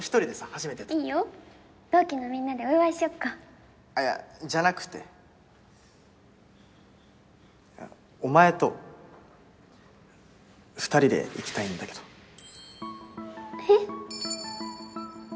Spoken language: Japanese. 初めていいよ同期のみんなでお祝いしよっかあっいやじゃなくてお前と２人で行きたいんだけどえっ？